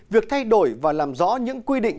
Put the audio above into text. việc thay đổi và làm rõ những quy định